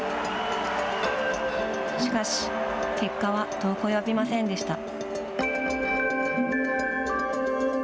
しかし結果は遠く及びませんでした。